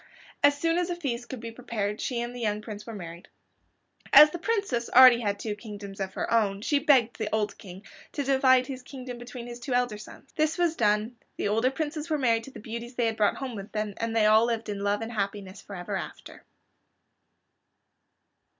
As soon as a feast could be prepared, she and the young Prince were married. As the Princess had already two kingdoms of her own she begged the old King to divide his kingdom between his two elder sons. This was done, the older princes were married to the beauties they had brought home with them, and they all lived in love and happiness forever after.